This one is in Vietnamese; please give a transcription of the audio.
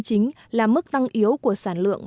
chính là mức tăng yếu của sản lượng